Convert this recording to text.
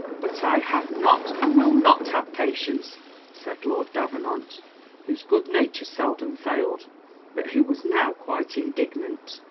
"But I have not, and will not have patience," said Lord Davenant, whose good nature seldom failed, but who was now quite indignant.